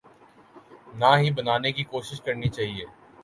نہ ہی بنانے کی کوشش کرنی چاہیے۔